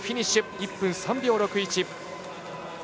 １分３秒６１。